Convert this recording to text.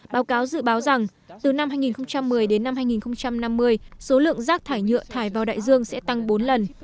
báo cáo dự báo rằng từ năm hai nghìn một mươi đến năm hai nghìn năm mươi số lượng rác thải nhựa thải vào đại dương sẽ tăng bốn lần